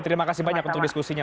terima kasih banyak untuk diskusinya